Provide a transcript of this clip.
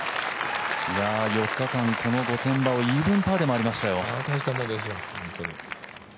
４日間この御殿場をイーブンパーで回りましたよ。